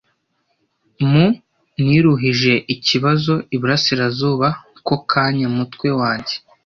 Mu niruhukije ikibazo iburasirazuba ko kanya mutwe wanjye,